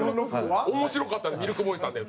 面白かったんでミルクボーイさんで。